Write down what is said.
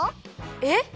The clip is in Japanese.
えっ？